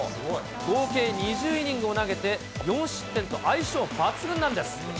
合計２０イニングを投げて４失点と相性抜群なんです。